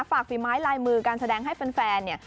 ฝีไม้ลายมือการแสดงให้แฟนเนี่ย